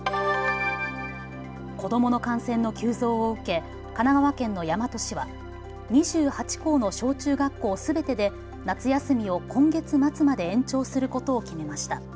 子どもの感染の急増を受け神奈川県の大和市は２８校の小中学校すべてで夏休みを今月末まで延長することを決めました。